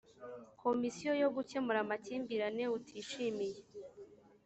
komisiyo yo gukemura amakimbirane utishimiye